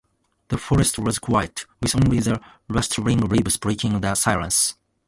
The forest was quiet, with only the rustling leaves breaking the silence.